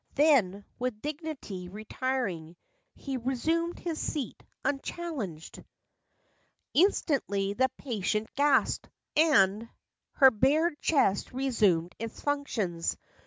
Then, with dignity retiring, He resumed his seat unchallenged. 1 Instantly the patient gasped, and Her bared chest resumed its functions.